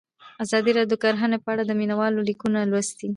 ازادي راډیو د کرهنه په اړه د مینه والو لیکونه لوستي.